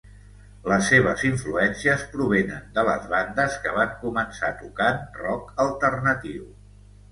Les seves influències provenen de les bandes que van començar tocant rock alternatiu.